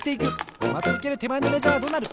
まちうけるてまえのメジャーはどうなる？